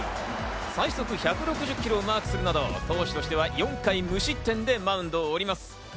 最速１６０キロをマークするなど投手としては４回無失点でマウンドを降ります。